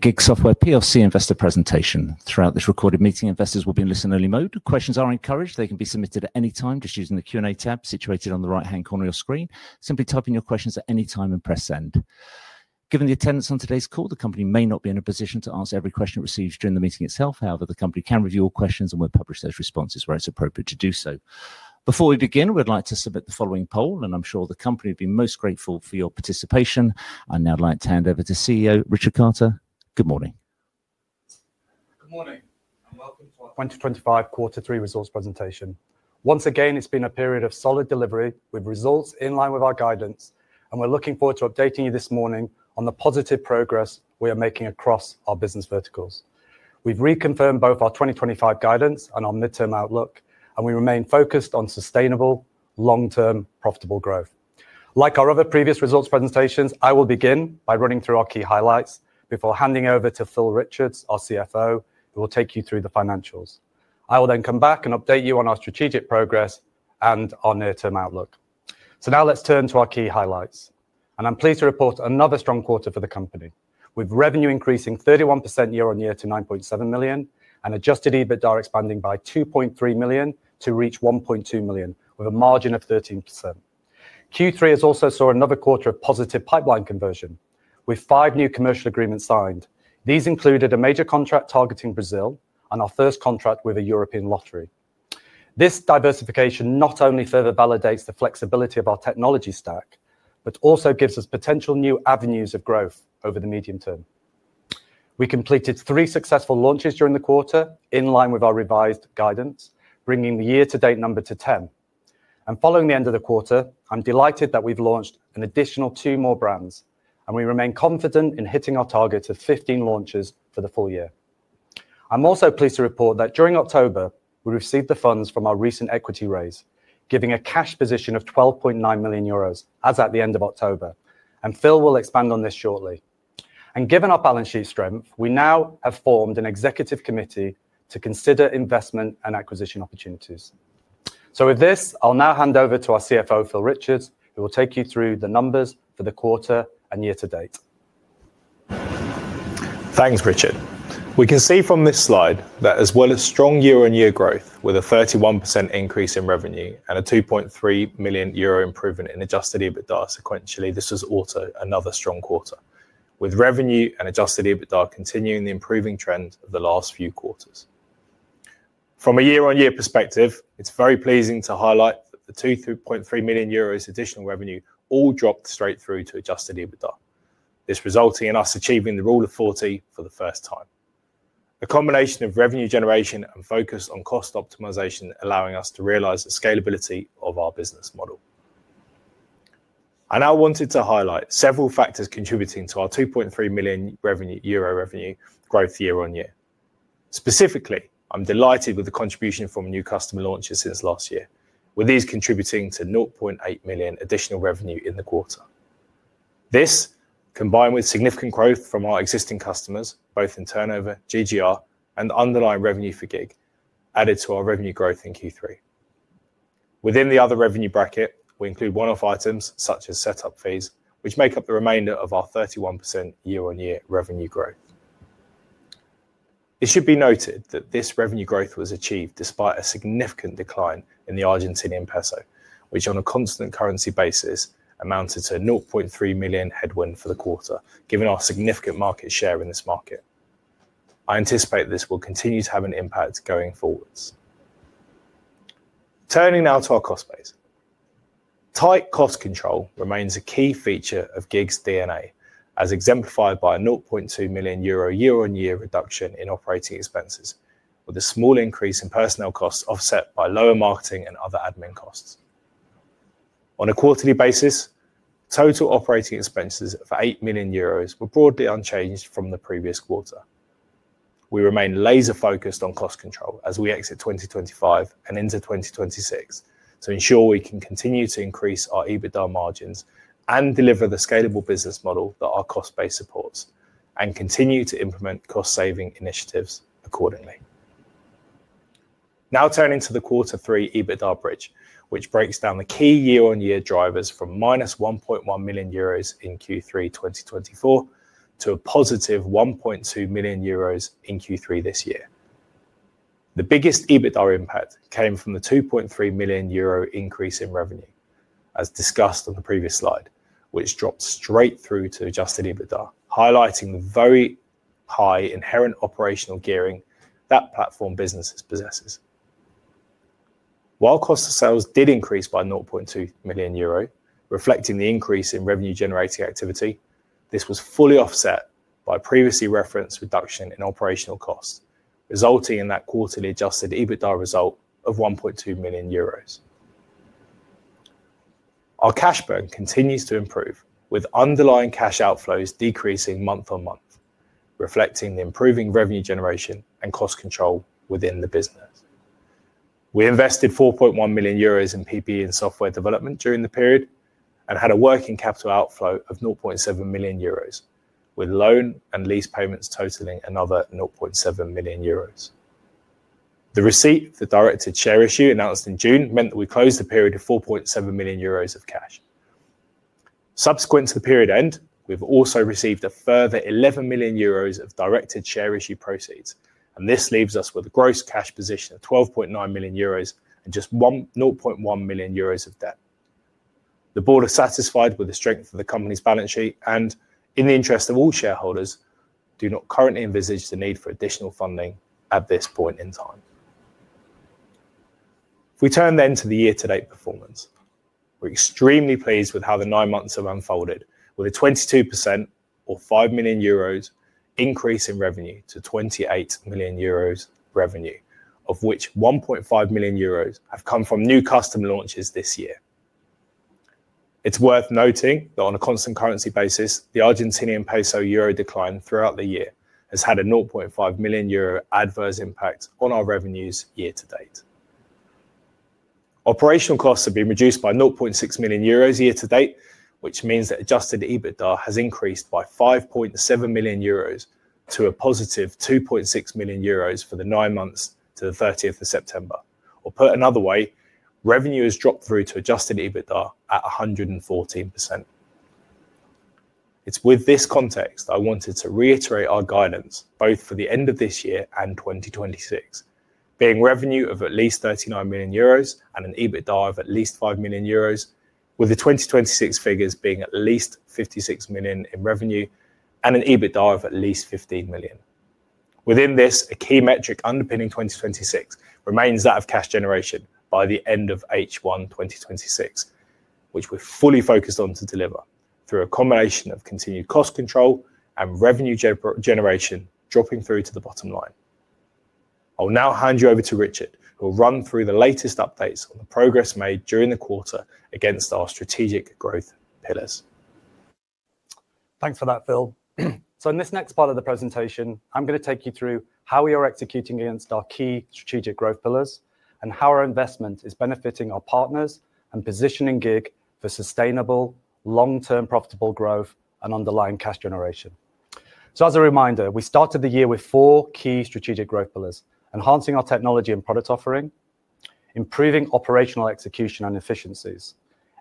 GiG Software PLC investor presentation. Throughout this recorded meeting, investors will be in listen-only mode. Questions are encouraged; they can be submitted at any time just using the Q&A tab situated on the right-hand corner of your screen. Simply type in your questions at any time and press send. Given the attendance on today's call, the company may not be in a position to answer every question it receives during the meeting itself. However, the company can review all questions and will publish those responses where it is appropriate to do so. Before we begin, we'd like to submit the following poll, and I'm sure the company would be most grateful for your participation. I'd now like to hand over to CEO Richard Carter. Good morning. Good morning and welcome to our 2025 quarter three results presentation. Once again, it's been a period of solid delivery with results in line with our guidance, and we're looking forward to updating you this morning on the positive progress we are making across our business verticals. We've reconfirmed both our 2025 guidance and our midterm outlook, and we remain focused on sustainable, long-term, profitable growth. Like our other previous results presentations, I will begin by running through our key highlights before handing over to Phil Richards, our CFO, who will take you through the financials. I will then come back and update you on our strategic progress and our near-term outlook. Now let's turn to our key highlights, and I'm pleased to report another strong quarter for the company, with revenue increasing 31% year-on-year to 9.7 million and adjusted EBITDA expanding by 2.3 million to reach 1.2 million, with a margin of 13%. Q3 has also saw another quarter of positive pipeline conversion, with five new commercial agreements signed. These included a major contract targeting Brazil and our first contract with a European lottery. This diversification not only further validates the flexibility of our technology stack, but also gives us potential new avenues of growth over the medium term. We completed three successful launches during the quarter in line with our revised guidance, bringing the year-to-date number to 10. Following the end of the quarter, I'm delighted that we've launched an additional two more brands, and we remain confident in hitting our target of 15 launches for the full year. I'm also pleased to report that during October, we received the funds from our recent equity raise, giving a cash position of 12.9 million euros as at the end of October, and Phil will expand on this shortly. Given our balance sheet strength, we now have formed an executive committee to consider investment and acquisition opportunities. With this, I'll now hand over to our CFO, Phil Richards, who will take you through the numbers for the quarter and year-to-date. Thanks, Richard. We can see from this slide that, as well as strong year-on-year growth with a 31% increase in revenue and a 2.3 million euro improvement in adjusted EBITDA sequentially, this was also another strong quarter, with revenue and adjusted EBITDA continuing the improving trend of the last few quarters. From a year-on-year perspective, it's very pleasing to highlight that the 2.3 million euros additional revenue all dropped straight through to adjusted EBITDA, this resulting in us achieving the rule of 40 for the first time. A combination of revenue generation and focus on cost optimization allowing us to realize the scalability of our business model. I now wanted to highlight several factors contributing to our 2.3 million euro revenue growth year-on-year. Specifically, I'm delighted with the contribution from new customer launches since last year, with these contributing to 0.8 million additional revenue in the quarter. This, combined with significant growth from our existing customers, both in turnover, GGR, and underlying revenue for GiG, added to our revenue growth in Q3. Within the other revenue bracket, we include one-off items such as setup fees, which make up the remainder of our 31% year-on-year revenue growth. It should be noted that this revenue growth was achieved despite a significant decline in the Argentinian peso, which, on a constant currency basis, amounted to 0.3 million headwind for the quarter, giving our significant market share in this market. I anticipate this will continue to have an impact going forwards. Turning now to our cost base, tight cost control remains a key feature of GiG's DNA, as exemplified by a 0.2 million euro year-on-year reduction in operating expenses, with a small increase in personnel costs offset by lower marketing and other admin costs. On a quarterly basis, total operating expenses for 8 million euros were broadly unchanged from the previous quarter. We remain laser-focused on cost control as we exit 2025 and into 2026 to ensure we can continue to increase our EBITDA margins and deliver the scalable business model that our cost base supports, and continue to implement cost-saving initiatives accordingly. Now turning to the quarter three EBITDA Bridge, which breaks down the key year-on-year drivers from -1.1 million euros in Q3 2024 to a +1.2 million euros in Q3 this year. The biggest EBITDA impact came from the 2.3 million euro increase in revenue, as discussed on the previous slide, which dropped straight through to adjusted EBITDA, highlighting the very high inherent operational gearing that platform businesses possess. While cost of sales did increase by 0.2 million euro, reflecting the increase in revenue-generating activity, this was fully offset by a previously referenced reduction in operational costs, resulting in that quarterly adjusted EBITDA result of 1.2 million euros. Our cash burn continues to improve, with underlying cash outflows decreasing month on month, reflecting the improving revenue generation and cost control within the business. We invested 4.1 million euros in PPE and software development during the period and had a working capital outflow of 0.7 million euros, with loan and lease payments totaling another 0.7 million euros. The receipt of the directed share issue announced in June meant that we closed the period with 4.7 million euros of cash. Subsequent to the period end, we have also received a further 11 million euros of directed share issue proceeds, and this leaves us with a gross cash position of 12.9 million euros and just 0.1 million euros of debt. The Board is satisfied with the strength of the company's balance sheet and, in the interest of all shareholders, do not currently envisage the need for additional funding at this point in time. If we turn then to the year-to-date performance, we're extremely pleased with how the nine months have unfolded, with a 22% or 5 million euros increase in revenue to 28 million euros revenue, of which 1.5 million euros have come from new customer launches this year. It's worth noting that on a constant currency basis, the Argentinian peso euro decline throughout the year has had a 0.5 million euro adverse impact on our revenues year-to-date. Operational costs have been reduced by 0.6 million euros year-to-date, which means that adjusted EBITDA has increased by 5.7 million euros to a +2.6 million euros for the nine months to the 30th of September. Or put another way, revenue has dropped through to adjusted EBITDA at 114%. It's with this context I wanted to reiterate our guidance both for the end of this year and 2026, being revenue of at least 39 million euros and an EBITDA of at least 5 million euros, with the 2026 figures being at least 56 million in revenue and an EBITDA of at least 15 million. Within this, a key metric underpinning 2026 remains that of cash generation by the end of H1 2026, which we're fully focused on to deliver through a combination of continued cost control and revenue generation dropping through to the bottom line. I'll now hand you over to Richard, who will run through the latest updates on the progress made during the quarter against our strategic growth pillars. Thanks for that, Phil. In this next part of the presentation, I'm going to take you through how we are executing against our key strategic growth pillars and how our investment is benefiting our partners and positioning GiG for sustainable, long-term profitable growth and underlying cash generation. As a reminder, we started the year with four key strategic growth pillars: enhancing our technology and product offering, improving operational execution and efficiencies,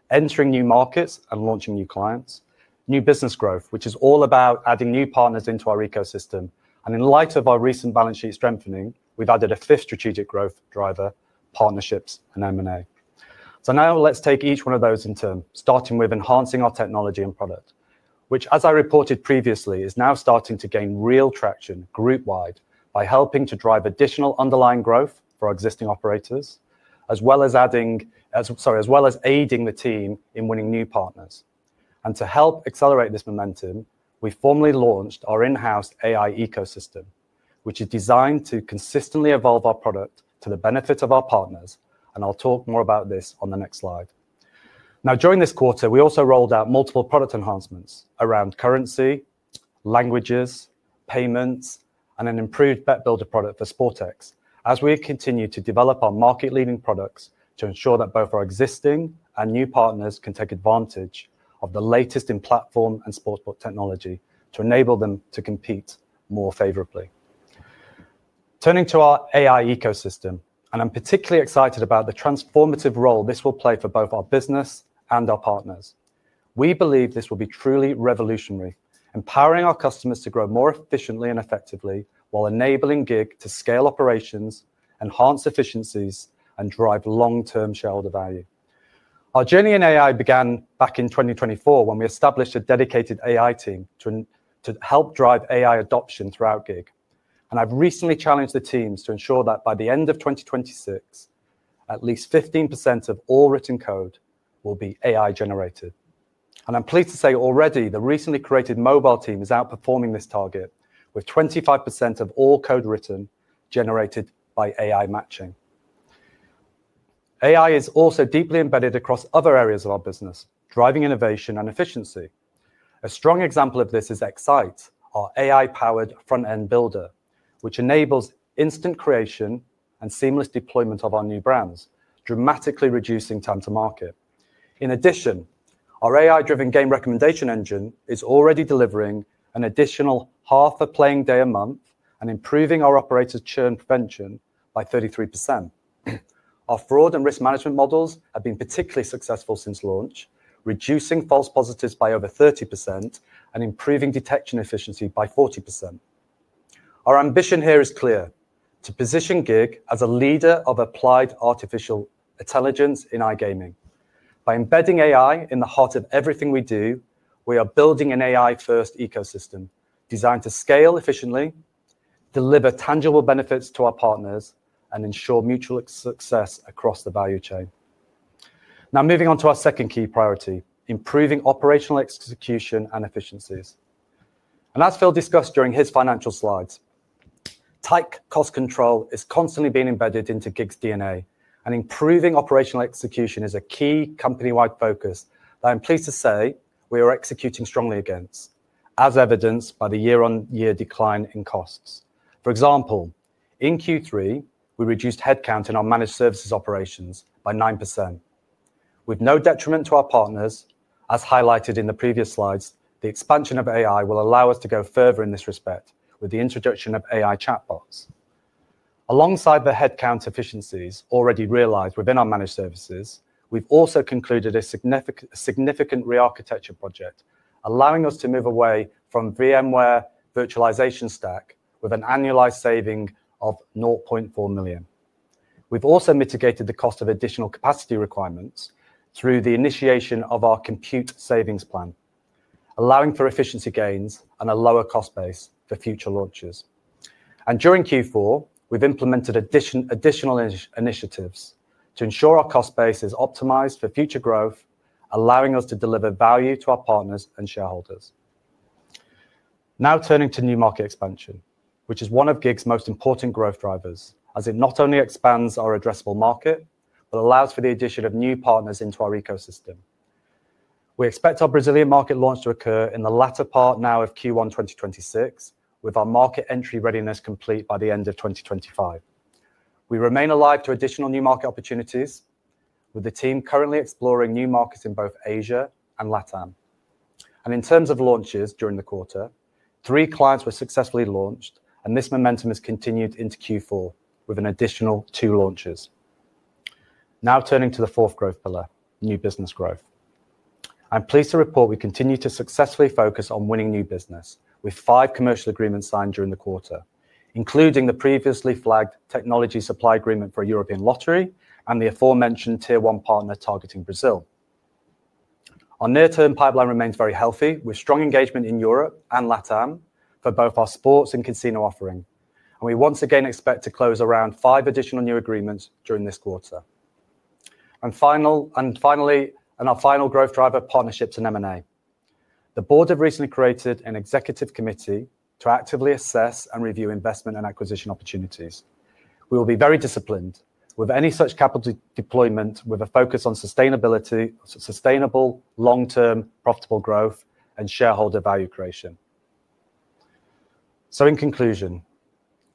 entering new markets and launching new clients, new business growth, which is all about adding new partners into our ecosystem. In light of our recent balance sheet strengthening, we've added a fifth strategic growth driver: partnerships and M&A. Let's take each one of those in turn, starting with enhancing our technology and product, which, as I reported previously, is now starting to gain real traction group-wide by helping to drive additional underlying growth for our existing operators, as well as aiding the team in winning new partners. To help accelerate this momentum, we formally launched our in-house AI ecosystem, which is designed to consistently evolve our product to the benefit of our partners, and I'll talk more about this on the next slide. Now, during this quarter, we also rolled out multiple product enhancements around currency, languages, payments, and an improved bet builder product for SportX, as we continue to develop our market-leading products to ensure that both our existing and new partners can take advantage of the latest in platform and sportsbook technology to enable them to compete more favorably. Turning to our AI ecosystem, and I'm particularly excited about the transformative role this will play for both our business and our partners. We believe this will be truly revolutionary, empowering our customers to grow more efficiently and effectively while enabling GiG to scale operations, enhance efficiencies, and drive long-term shareholder value. Our journey in AI began back in 2024 when we established a dedicated AI team to help drive AI adoption throughout GiG, and I've recently challenged the teams to ensure that by the end of 2026, at least 15% of all written code will be AI-generated. I'm pleased to say already the recently created mobile team is outperforming this target, with 25% of all code written generated by AI matching. AI is also deeply embedded across other areas of our business, driving innovation and efficiency. A strong example of this is [Xite], our AI-powered front-end builder, which enables instant creation and seamless deployment of our new brands, dramatically reducing time to market. In addition, our AI-driven game recommendation engine is already delivering an additional half a playing day a month and improving our operators' churn prevention by 33%. Our fraud and risk management models have been particularly successful since launch, reducing false positives by over 30% and improving detection efficiency by 40%. Our ambition here is clear: to position GiG as a leader of applied artificial intelligence in iGaming. By embedding AI in the heart of everything we do, we are building an AI-first ecosystem designed to scale efficiently, deliver tangible benefits to our partners, and ensure mutual success across the value chain. Now moving on to our second key priority: improving operational execution and efficiencies. As Phil discussed during his financial slides, tight cost control is constantly being embedded into GiG's DNA, and improving operational execution is a key company-wide focus that I'm pleased to say we are executing strongly against, as evidenced by the year-on-year decline in costs. For example, in Q3, we reduced headcount in our managed services operations by 9%. With no detriment to our partners, as highlighted in the previous slides, the expansion of AI will allow us to go further in this respect with the introduction of AI chatbots. Alongside the headcount efficiencies already realized within our managed services, we have also concluded a significant re-architecture project, allowing us to move away from VMware virtualization stack with an annualized saving of 0.4 million. We have also mitigated the cost of additional capacity requirements through the initiation of our compute savings plan, allowing for efficiency gains and a lower cost base for future launches. During Q4, we have implemented additional initiatives to ensure our cost base is optimized for future growth, allowing us to deliver value to our partners and shareholders. Now turning to new market expansion, which is one of GiG's most important growth drivers, as it not only expands our addressable market, but allows for the addition of new partners into our ecosystem. We expect our Brazilian market launch to occur in the latter part now of Q1 2026, with our market entry readiness complete by the end of 2025. We remain alive to additional new market opportunities, with the team currently exploring new markets in both Asia and LATAM. In terms of launches during the quarter, three clients were successfully launched, and this momentum has continued into Q4 with an additional two launches. Now turning to the fourth growth pillar, new business growth. I'm pleased to report we continue to successfully focus on winning new business, with five commercial agreements signed during the quarter, including the previously flagged technology supply agreement for a European lottery and the aforementioned Tier 1 partner targeting Brazil. Our near-term pipeline remains very healthy, with strong engagement in Europe and LATAM for both our sports and casino offering, and we once again expect to close around five additional new agreements during this quarter. Finally, our final growth driver, partnerships and M&A. The Board have recently created an executive committee to actively assess and review investment and acquisition opportunities. We will be very disciplined with any such capital deployment, with a focus on sustainability, sustainable, long-term profitable growth, and shareholder value creation. In conclusion,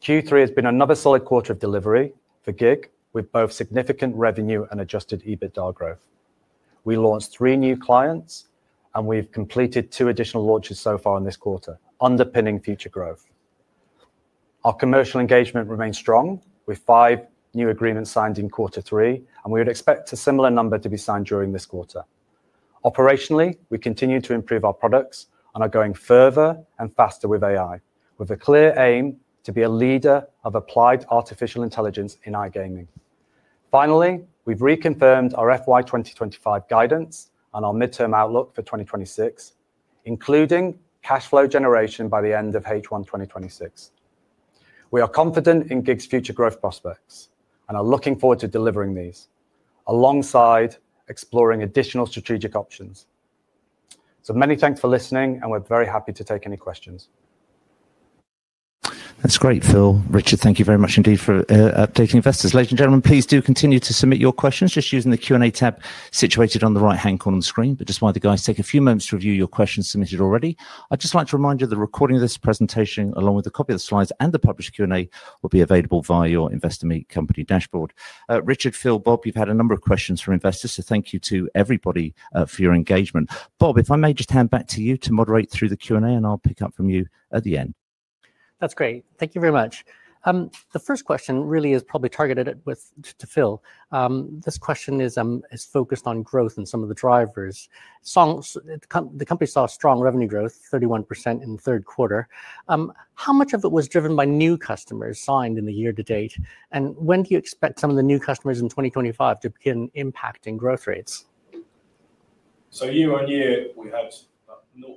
Q3 has been another solid quarter of delivery for GiG, with both significant revenue and adjusted EBITDA growth. We launched three new clients, and we've completed two additional launches so far in this quarter, underpinning future growth. Our commercial engagement remains strong, with five new agreements signed in quarter three, and we would expect a similar number to be signed during this quarter. Operationally, we continue to improve our products and are going further and faster with AI, with a clear aim to be a leader of applied artificial intelligence in iGaming. Finally, we've reconfirmed our FY 2025 guidance and our midterm outlook for 2026, including cash flow generation by the end of H1 2026. We are confident in GiG's future growth prospects and are looking forward to delivering these alongside exploring additional strategic options. Many thanks for listening, and we're very happy to take any questions. That's great, Phil. Richard, thank you very much indeed for updating investors. Ladies and gentlemen, please do continue to submit your questions just using the Q&A tab situated on the right-hand corner of the screen. While the guys take a few moments to review your questions submitted already, I'd just like to remind you that the recording of this presentation, along with a copy of the slides and the published Q&A, will be available via your Investor Meet Company dashboard. Richard, Phil, Bob, you've had a number of questions from investors, so thank you to everybody for your engagement. Bob, if I may just hand back to you to moderate through the Q&A, and I'll pick up from you at the end. That's great. Thank you very much. The first question really is probably targeted to Phil. This question is focused on growth and some of the drivers. The company saw strong revenue growth, 31% in the third quarter. How much of it was driven by new customers signed in the year to date? And when do you expect some of the new customers in 2025 to begin impacting growth rates? Year on year, we had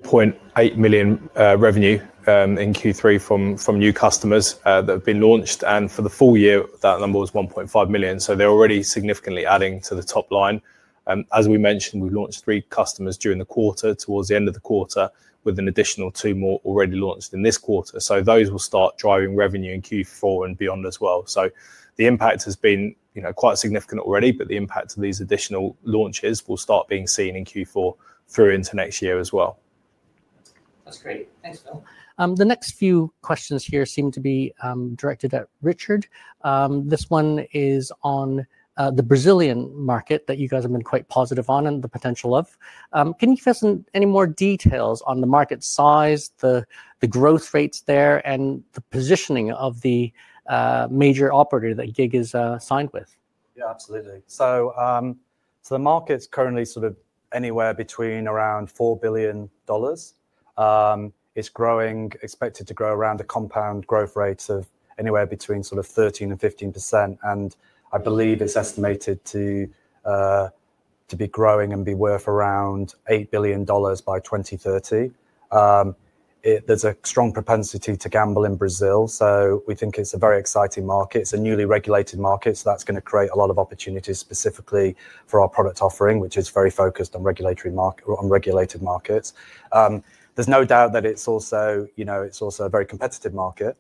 0.8 million revenue in Q3 from new customers that have been launched, and for the full year, that number was 1.5 million. They're already significantly adding to the top line. As we mentioned, we've launched three customers during the quarter, towards the end of the quarter, with an additional two more already launched in this quarter. Those will start driving revenue in Q4 and beyond as well. The impact has been quite significant already, but the impact of these additional launches will start being seen in Q4 through into next year as well. That's great. Thanks, Phil. The next few questions here seem to be directed at Richard. This one is on the Brazilian market that you guys have been quite positive on and the potential of. Can you give us any more details on the market size, the growth rates there, and the positioning of the major operator that GiG is signed with? Yeah, absolutely. The market's currently sort of anywhere between around $4 billion. It's growing, expected to grow around a compound growth rate of anywhere between 13%-15%. I believe it's estimated to be growing and be worth around $8 billion by 2030. There's a strong propensity to gamble in Brazil, so we think it's a very exciting market. It's a newly regulated market, so that's going to create a lot of opportunities specifically for our product offering, which is very focused on regulated markets. There's no doubt that it's also a very competitive market,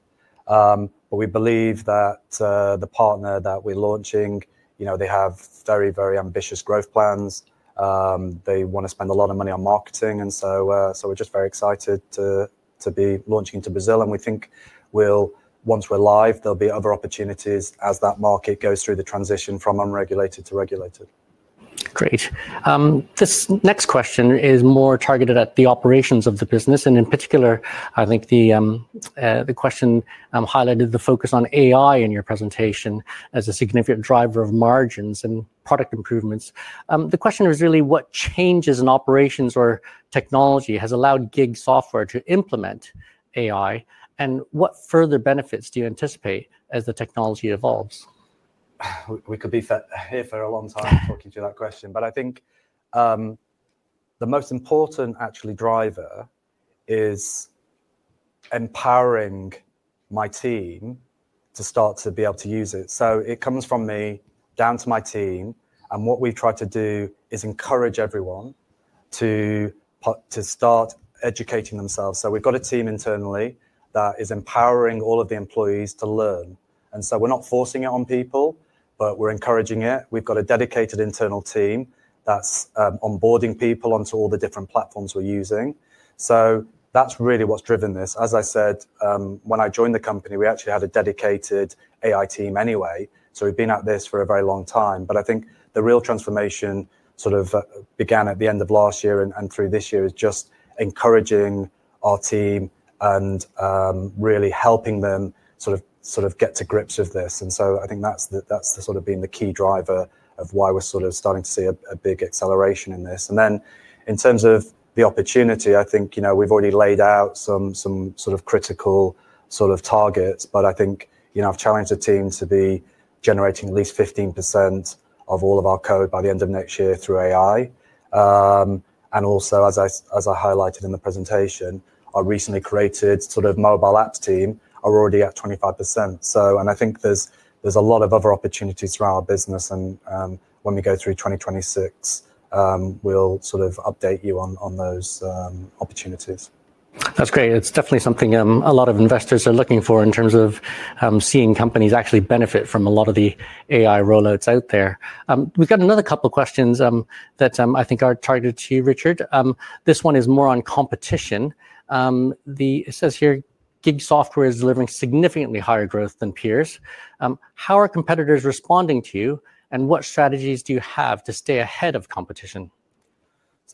but we believe that the partner that we're launching, they have very, very ambitious growth plans. They want to spend a lot of money on marketing, and we're just very excited to be launching into Brazil. We think once we're live, there'll be other opportunities as that market goes through the transition from unregulated to regulated. Great. This next question is more targeted at the operations of the business, and in particular, I think the question highlighted the focus on AI in your presentation as a significant driver of margins and product improvements. The question is really what changes in operations or technology have allowed GiG Software to implement AI, and what further benefits do you anticipate as the technology evolves? We could be here for a long time talking to that question, but I think the most important actually driver is empowering my team to start to be able to use it. It comes from me down to my team, and what we've tried to do is encourage everyone to start educating themselves. We've got a team internally that is empowering all of the employees to learn. We are not forcing it on people, but we are encouraging it. We've got a dedicated internal team that's onboarding people onto all the different platforms we're using. That is really what's driven this. As I said, when I joined the company, we actually had a dedicated AI team anyway, so we've been at this for a very long time. I think the real transformation sort of began at the end of last year and through this year is just encouraging our team and really helping them sort of get to grips with this. I think that's sort of been the key driver of why we're sort of starting to see a big acceleration in this. In terms of the opportunity, I think we've already laid out some sort of critical sort of targets, but I think I've challenged the team to be generating at least 15% of all of our code by the end of next year through AI. Also, as I highlighted in the presentation, our recently created sort of mobile apps team are already at 25%. I think there's a lot of other opportunities throughout our business, and when we go through 2026, we'll sort of update you on those opportunities. That's great. It's definitely something a lot of investors are looking for in terms of seeing companies actually benefit from a lot of the AI rollouts out there. We've got another couple of questions that I think are targeted to you, Richard. This one is more on competition. It says here, GiG Software is delivering significantly higher growth than peers. How are competitors responding to you, and what strategies do you have to stay ahead of competition?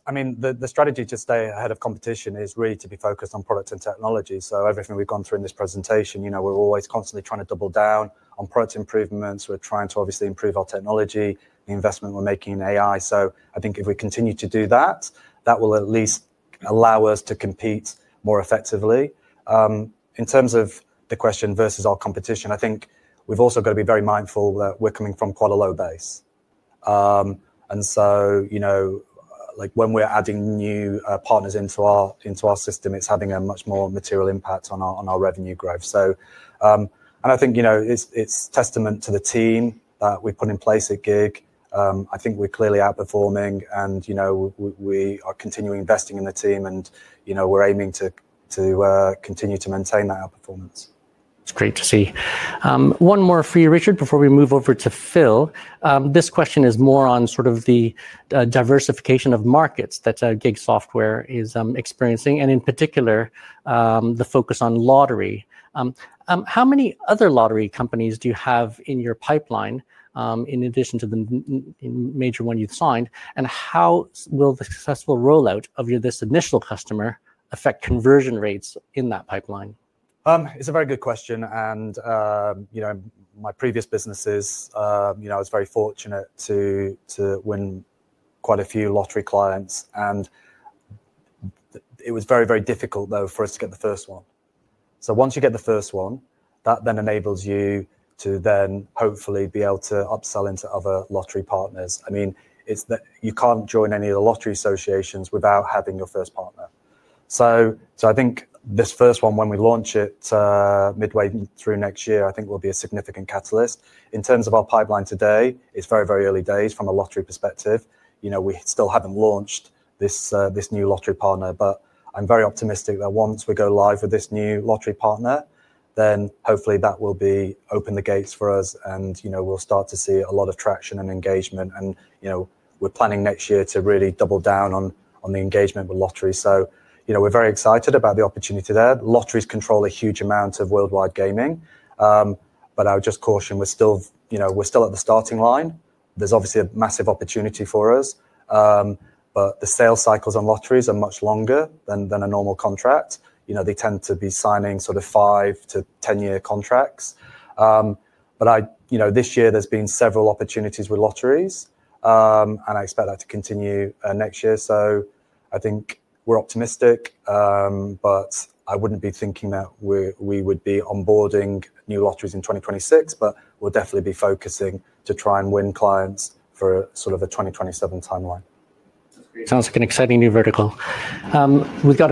I mean, the strategy to stay ahead of competition is really to be focused on products and technology. Everything we've gone through in this presentation, we're always constantly trying to double down on product improvements. We're trying to obviously improve our technology, the investment we're making in AI. I think if we continue to do that, that will at least allow us to compete more effectively. In terms of the question versus our competition, I think we've also got to be very mindful that we're coming from quite a low base. When we're adding new partners into our system, it's having a much more material impact on our revenue growth. I think it's testament to the team that we've put in place at GiG. I think we're clearly outperforming, and we are continuing investing in the team, and we're aiming to continue to maintain that outperformance. That's great to see. One more for you, Richard, before we move over to Phil. This question is more on sort of the diversification of markets that GiG Software is experiencing, and in particular, the focus on lottery. How many other lottery companies do you have in your pipeline in addition to the major one you've signed, and how will the successful rollout of this initial customer affect conversion rates in that pipeline? It's a very good question. In my previous businesses, I was very fortunate to win quite a few lottery clients, and it was very, very difficult, though, for us to get the first one. Once you get the first one, that then enables you to hopefully be able to upsell into other lottery partners. I mean, you can't join any of the lottery associations without having your first partner. I think this first one, when we launch it midway through next year, will be a significant catalyst. In terms of our pipeline today, it's very, very early days from a lottery perspective. We still haven't launched this new lottery partner, but I'm very optimistic that once we go live with this new lottery partner, hopefully that will open the gates for us, and we'll start to see a lot of traction and engagement. We are planning next year to really double down on the engagement with lottery. We are very excited about the opportunity there. Lotteries control a huge amount of worldwide gaming, but I would just caution, we are still at the starting line. There is obviously a massive opportunity for us, but the sales cycles on lotteries are much longer than a normal contract. They tend to be signing sort of five- to 10-year contracts. This year, there have been several opportunities with lotteries, and I expect that to continue next year. I think we are optimistic, but I would not be thinking that we would be onboarding new lotteries in 2026, but we will definitely be focusing to try and win clients for sort of a 2027 timeline. Sounds like an exciting new vertical. We've got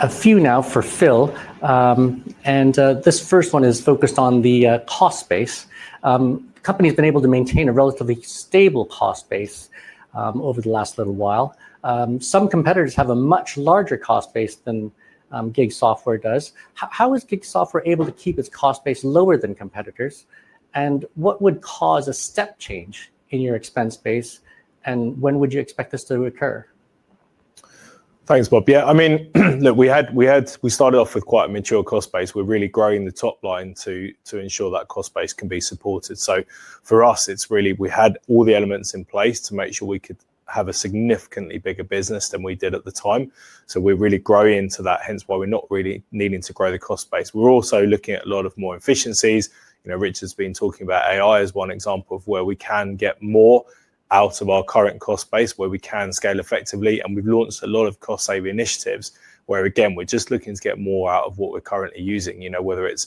a few now for Phil. And this first one is focused on the cost base. The company has been able to maintain a relatively stable cost base over the last little while. Some competitors have a much larger cost base than GiG Software does. How is GiG Software able to keep its cost base lower than competitors, and what would cause a step change in your expense base, and when would you expect this to occur? Thanks, Bob. Yeah, I mean, look, we started off with quite a mature cost base. We're really growing the top line to ensure that cost base can be supported. For us, it's really we had all the elements in place to make sure we could have a significantly bigger business than we did at the time. We're really growing into that, hence why we're not really needing to grow the cost base. We're also looking at a lot of more efficiencies. Richard's been talking about AI as one example of where we can get more out of our current cost base, where we can scale effectively. We have launched a lot of cost-saving initiatives where, again, we are just looking to get more out of what we are currently using, whether it is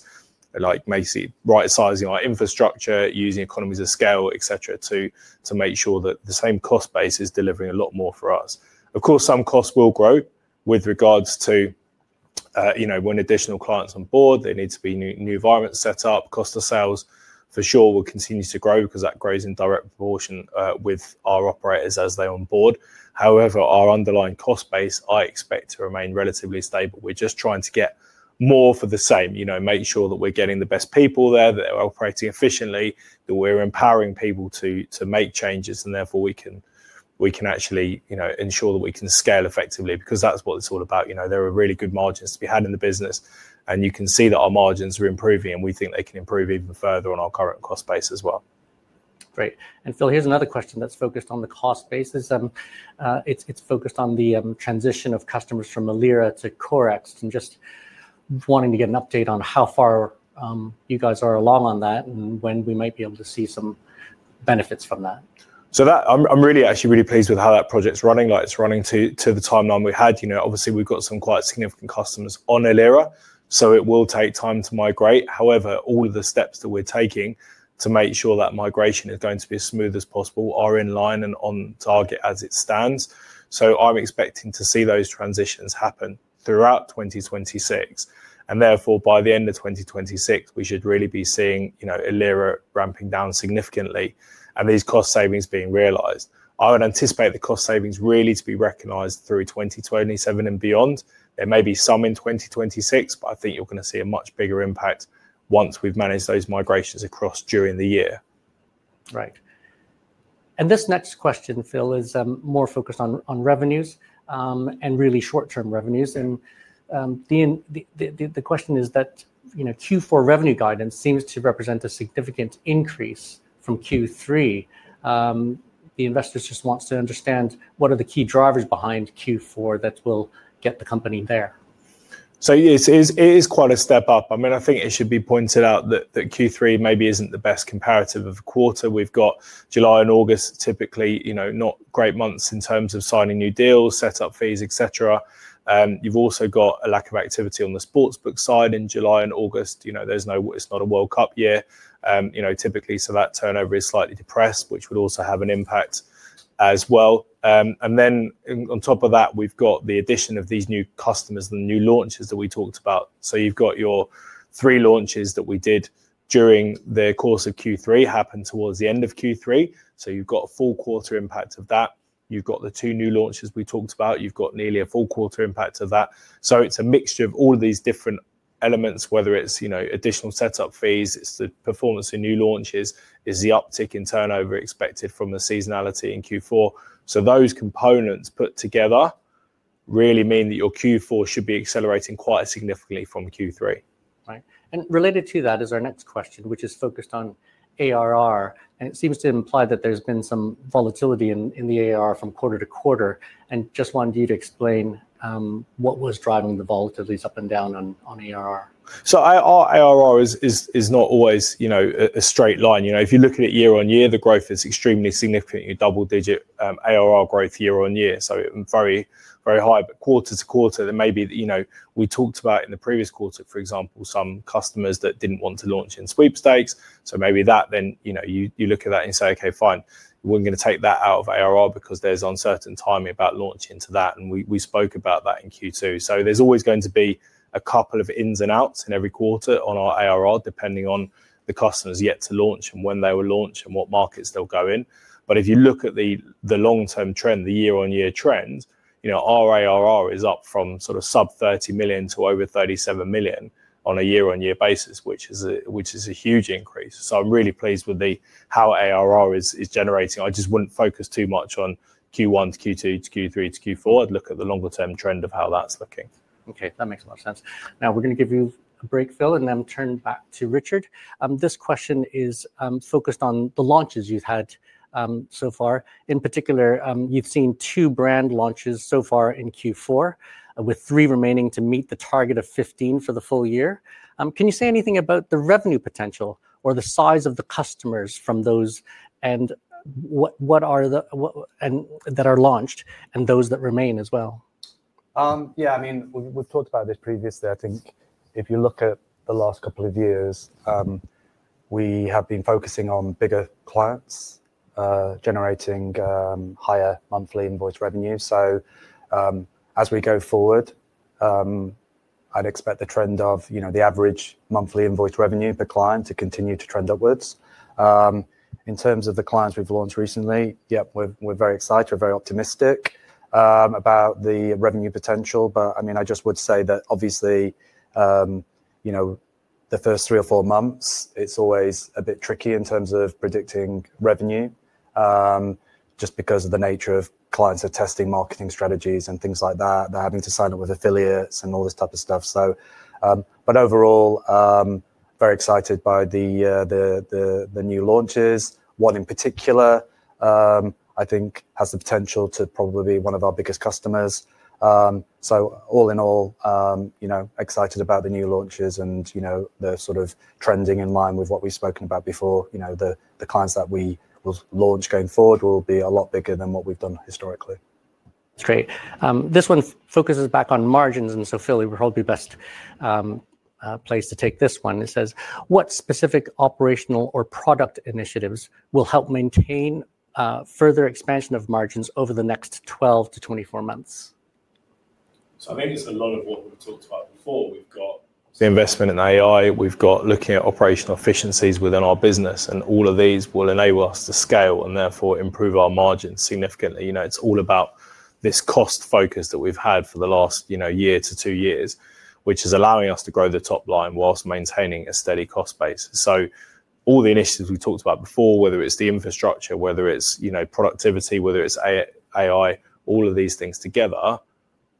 like basically right-sizing our infrastructure, using economies of scale, etc., to make sure that the same cost base is delivering a lot more for us. Of course, some costs will grow with regards to when additional clients onboard, there needs to be new environments set up. Cost of sales, for sure, will continue to grow because that grows in direct proportion with our operators as they onboard. However, our underlying cost base, I expect to remain relatively stable. We are just trying to get more for the same, make sure that we are getting the best people there, that they are operating efficiently, that we are empowering people to make changes, and therefore we can actually ensure that we can scale effectively because that is what it is all about. There are really good margins to be had in the business, and you can see that our margins are improving, and we think they can improve even further on our current cost base as well. Great. Phil, here's another question that's focused on the cost basis. It's focused on the transition of customers from Alira to CoreX and just wanting to get an update on how far you guys are along on that and when we might be able to see some benefits from that. I'm really actually really pleased with how that project's running. It's running to the timeline we had. Obviously, we've got some quite significant customers on Alira, so it will take time to migrate. However, all of the steps that we're taking to make sure that migration is going to be as smooth as possible are in line and on target as it stands. I'm expecting to see those transitions happen throughout 2026. Therefore, by the end of 2026, we should really be seeing Alira ramping down significantly and these cost savings being realized. I would anticipate the cost savings really to be recognized through 2027 and beyond. There may be some in 2026, but I think you're going to see a much bigger impact once we've managed those migrations across during the year. Right. This next question, Phil, is more focused on revenues and really short-term revenues. The question is that Q4 revenue guidance seems to represent a significant increase from Q3. The investors just want to understand what are the key drivers behind Q4 that will get the company there. It is quite a step up. I mean, I think it should be pointed out that Q3 maybe isn't the best comparative of quarter. We've got July and August typically not great months in terms of signing new deals, setup fees, etc. You've also got a lack of activity on the sportsbook side in July and August. It's not a World Cup year, typically, so that turnover is slightly depressed, which would also have an impact as well. On top of that, we've got the addition of these new customers, the new launches that we talked about. You've got your three launches that we did during the course of Q3 happened towards the end of Q3. You've got a full quarter impact of that. You've got the two new launches we talked about. You've got nearly a full quarter impact of that. It is a mixture of all of these different elements, whether it is additional setup fees, it is the performance of new launches, it is the uptick in turnover expected from the seasonality in Q4. Those components put together really mean that your Q4 should be accelerating quite significantly from Q3. Right. Related to that is our next question, which is focused on ARR. It seems to imply that there's been some volatility in the ARR from quarter to quarter. I just wanted you to explain what was driving the volatilities up and down on ARR. Our ARR is not always a straight line. If you look at it year on year, the growth is extremely significant, double-digit ARR growth year on year. Very, very high, but quarter to quarter, there may be, we talked about in the previous quarter, for example, some customers that did not want to launch in sweepstakes. Maybe that, then you look at that and you say, "Okay, fine. We're going to take that out of ARR because there's uncertain timing about launching to that." We spoke about that in Q2. There is always going to be a couple of ins and outs in every quarter on our ARR depending on the customers yet to launch and when they will launch and what markets they will go in. If you look at the long-term trend, the year-on-year trend, our ARR is up from sort of sub-EUR 30 million to over 37 million on a year-on-year basis, which is a huge increase. I'm really pleased with how ARR is generating. I just wouldn't focus too much on Q1 to Q2 to Q3 to Q4. I'd look at the longer-term trend of how that's looking. Okay. That makes a lot of sense. Now we're going to give you a break, Phil, and then turn back to Richard. This question is focused on the launches you've had so far. In particular, you've seen two brand launches so far in Q4, with three remaining to meet the target of 15 for the full year. Can you say anything about the revenue potential or the size of the customers from those that are launched and those that remain as well? Yeah. I mean, we've talked about this previously. I think if you look at the last couple of years, we have been focusing on bigger clients generating higher monthly invoice revenue. As we go forward, I'd expect the trend of the average monthly invoice revenue per client to continue to trend upwards. In terms of the clients we've launched recently, yep, we're very excited. We're very optimistic about the revenue potential. I mean, I just would say that obviously, the first three or four months, it's always a bit tricky in terms of predicting revenue just because of the nature of clients are testing marketing strategies and things like that. They're having to sign up with affiliates and all this type of stuff. Overall, very excited by the new launches. One in particular, I think, has the potential to probably be one of our biggest customers. All in all, excited about the new launches and the sort of trending in line with what we've spoken about before. The clients that we will launch going forward will be a lot bigger than what we've done historically. That's great. This one focuses back on margins. Phil, we're hoping best place to take this one. It says, "What specific operational or product initiatives will help maintain further expansion of margins over the next 12-24 months? I think it's a lot of what we've talked about before. We've got the investment in AI. We've got looking at operational efficiencies within our business. All of these will enable us to scale and therefore improve our margins significantly. It's all about this cost focus that we've had for the last year to two years, which is allowing us to grow the top line whilst maintaining a steady cost base. All the initiatives we talked about before, whether it's the infrastructure, whether it's productivity, whether it's AI, all of these things together,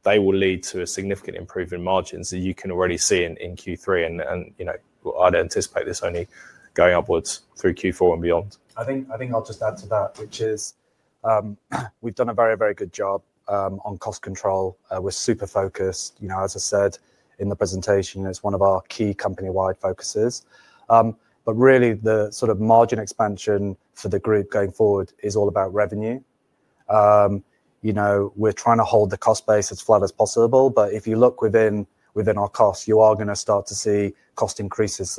they will lead to a significant improvement in margins that you can already see in Q3. I'd anticipate this only going upwards through Q4 and beyond. I think I'll just add to that, which is we've done a very, very good job on cost control. We're super focused. As I said in the presentation, it's one of our key company-wide focuses. The sort of margin expansion for the group going forward is all about revenue. We're trying to hold the cost base as flat as possible. If you look within our costs, you are going to start to see cost increases.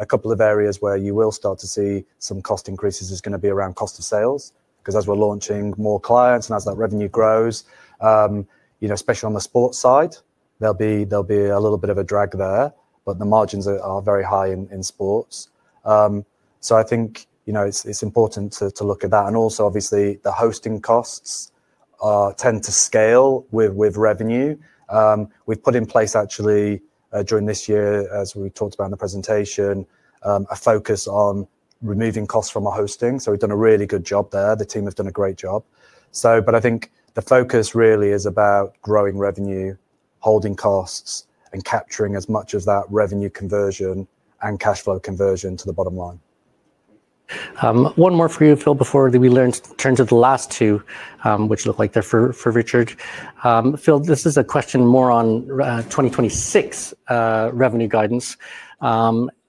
A couple of areas where you will start to see some cost increases is going to be around cost of sales because as we're launching more clients and as that revenue grows, especially on the sports side, there'll be a little bit of a drag there, but the margins are very high in sports. I think it's important to look at that. Obviously, the hosting costs tend to scale with revenue. We've put in place, actually, during this year, as we talked about in the presentation, a focus on removing costs from our hosting. We've done a really good job there. The team have done a great job. I think the focus really is about growing revenue, holding costs, and capturing as much of that revenue conversion and cash flow conversion to the bottom line. One more for you, Phil, before we turn to the last two, which look like they're for Richard. Phil, this is a question more on 2026 revenue guidance.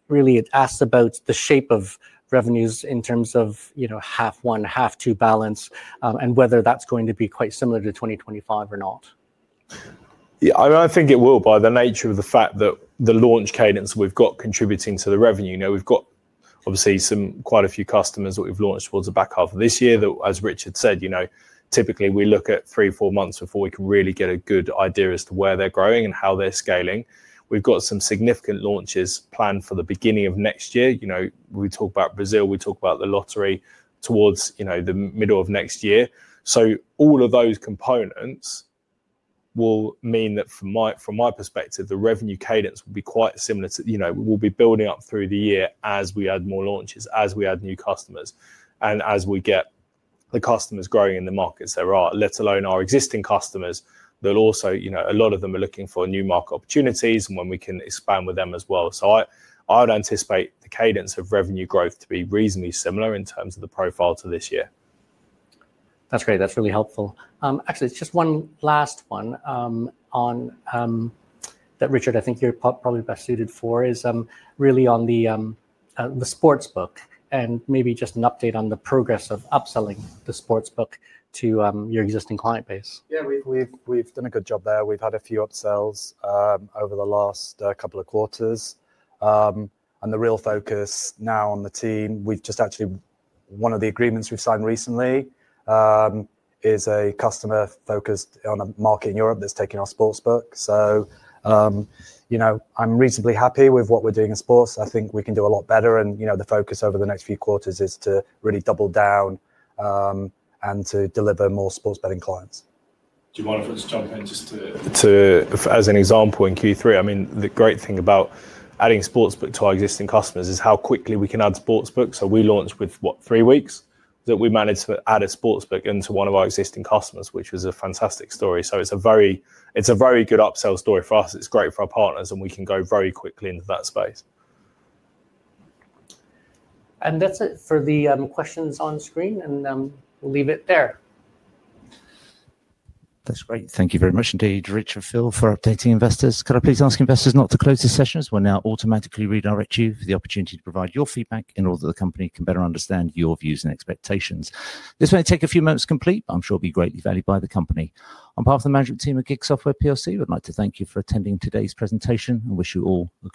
Really, it asks about the shape of revenues in terms of half one, half two balance and whether that's going to be quite similar to 2025 or not. Yeah, I think it will by the nature of the fact that the launch cadence we've got contributing to the revenue. We've got, obviously, quite a few customers that we've launched towards the back half of this year that, as Richard said, typically we look at three or four months before we can really get a good idea as to where they're growing and how they're scaling. We've got some significant launches planned for the beginning of next year. We talk about Brazil. We talk about the lottery towards the middle of next year. All of those components will mean that, from my perspective, the revenue cadence will be quite similar to we'll be building up through the year as we add more launches, as we add new customers, and as we get the customers growing in the markets there are, let alone our existing customers. A lot of them are looking for new market opportunities and when we can expand with them as well. I would anticipate the cadence of revenue growth to be reasonably similar in terms of the profile to this year. That's great. That's really helpful. Actually, just one last one that Richard, I think you're probably best suited for, is really on the sportsbook and maybe just an update on the progress of upselling the sportsbook to your existing client base. Yeah, we've done a good job there. We've had a few upsells over the last couple of quarters. The real focus now on the team, we've just actually one of the agreements we've signed recently is a customer focused on a market in Europe that's taking our sportsbook. I'm reasonably happy with what we're doing in sports. I think we can do a lot better. The focus over the next few quarters is to really double down and to deliver more sports betting clients. Do you want to just jump in? As an example, in Q3, I mean, the great thing about adding sportsbook to our existing customers is how quickly we can add sportsbooks. We launched with, what, three weeks that we managed to add a sportsbook into one of our existing customers, which was a fantastic story. It is a very good upsell story for us. It is great for our partners, and we can go very quickly into that space. That is it for the questions on screen, and we'll leave it there. That's great. Thank you very much indeed, Richard and Phil, for updating investors. Could I please ask investors not to close this session as we'll now automatically redirect you for the opportunity to provide your feedback in order that the company can better understand your views and expectations? This may take a few moments to complete, but I'm sure it'll be greatly valued by the company. On behalf of the management team at GiG Software PLC, we'd like to thank you for attending today's presentation and wish you all a.